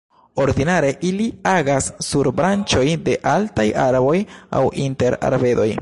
Ordinare ili agas sur branĉoj de altaj arboj aŭ inter arbedoj.